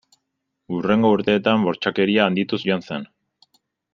Hurrengo urteetan bortxakeria handituz joan zen.